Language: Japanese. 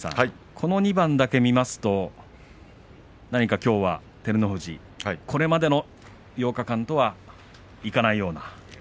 この２番だけ見ますと何かきょうは照ノ富士これまでの８日間とはいかないような。